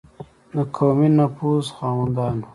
د قومي نفوذ خاوندانو.